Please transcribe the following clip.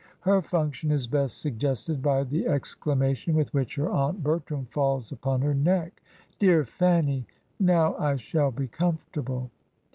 Her function is best suggested by the ex clamation with which her aunt Bertram falls upon her neck, ''Dear Fanny, now I shall be comfortable."